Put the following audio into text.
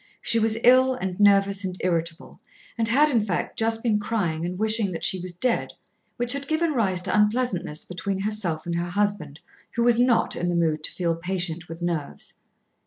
She was ill and nervous and irritable, and had, in fact, just been crying and wishing that she was dead, which had given rise to unpleasantness between herself and her husband, who was not in the mood to feel patient with nerves.